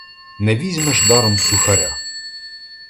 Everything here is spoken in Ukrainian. Не візьмеш даром сухаря.